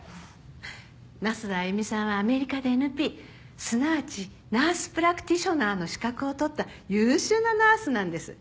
那須田歩さんはアメリカでＮＰすなわちナース・プラクティショナーの資格を取った優秀なナースなんです。